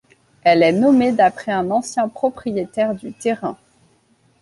Elle est nommée d'après un ancien propriétaire du terrain.